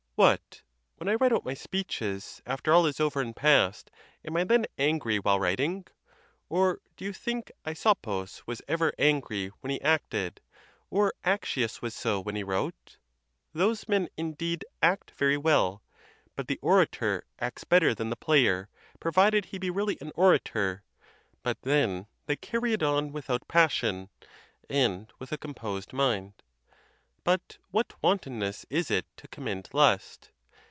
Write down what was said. What! when I write out my speeches after all is over and past, am I then angry while writing? Or do you think A'sopus was ever angry when he acted, or Accius was so when he wrote? Those men, indeed, act very well, but the orator acts better than the player, provided he be really an orator; but, then, they carry it on without passion, and with a composed mind. But what wantonness is it to commend lust!